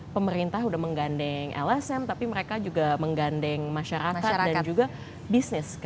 pemerintah sudah menggandeng lsm tapi mereka juga menggandeng masyarakat dan juga bisnis